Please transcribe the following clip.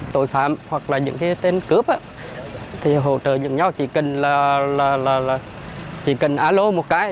tội phạm hoặc là những cái tên cướp thì hỗ trợ giữa nhau chỉ cần là chỉ cần alo một cái